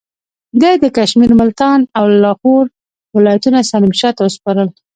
ده د کشمیر، ملتان او لاهور ولایتونه سلیم شاه ته وسپارل.